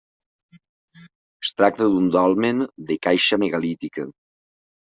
Es tracta d'un dolmen de caixa megalítica.